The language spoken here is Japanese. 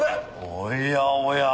おやおや。